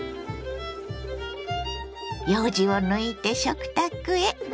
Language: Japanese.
ようじを抜いて食卓へ。